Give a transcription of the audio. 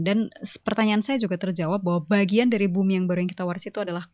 dan pertanyaan saya juga terjawab bahwa bagian dari bumi yang baru yang kita warisi itu adalah